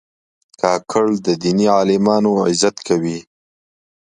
کاکړ د دیني عالمانو عزت کوي.